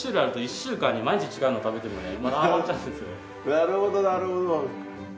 なるほどなるほど。